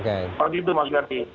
kalau gitu mas ganti